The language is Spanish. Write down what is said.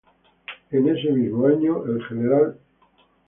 En ese mismo año el Gral.